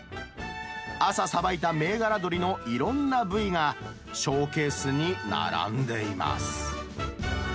朝さばいた銘柄鶏のいろんな部位が、ショーケースに並んでいます。